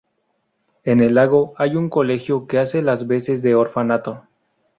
En el lago hay un colegio que hace las veces de orfanato.